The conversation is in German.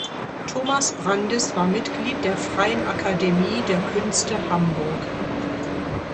Thomas Brandis war Mitglied der Freien Akademie der Künste Hamburg.